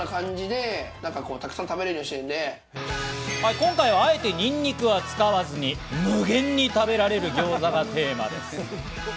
今回は、あえてニンニクは使わずに無限に食べられるギョーザがテーマです。